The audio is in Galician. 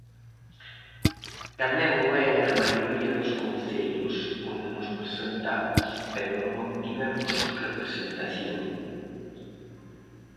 Tamén o é na maioría dos concellos onde nos presentamos pero non obtivemos representación.